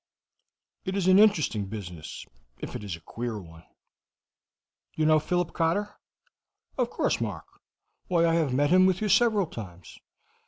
It is an interesting business, if it is a queer one." "You know Philip Cotter?" "Of course, Mark; why, I have met him with you several times."